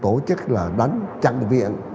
tổ chức là đánh trạng viện